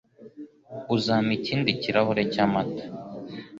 Uzampa ikindi kirahure cyamata?